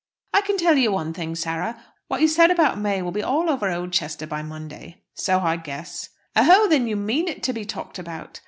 "I can tell you one thing, Sarah; what you said about May will be all over Oldchester by Monday." "So I guess." "O ho! Then you mean it to be talked about?"